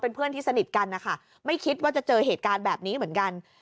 เพื่อนที่สนิทกันนะคะไม่คิดว่าจะเจอเหตุการณ์แบบนี้เหมือนกัน